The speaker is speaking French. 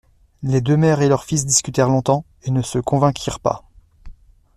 Les deux mères et leurs fils discutèrent longtemps, et ne se convainquirent pas.